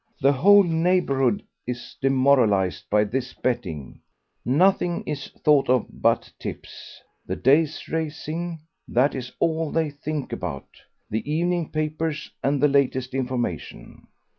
The whole neighbourhood is demoralized by this betting; nothing is thought of but tips; the day's racing that is all they think about the evening papers, and the latest information.